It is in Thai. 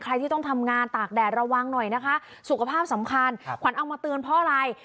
ใครที่ต้องทำงานตากแดดระวังหน่อยนะคะสุขภาพสำคัญขวัญเอามาเตือนเพราะอะไร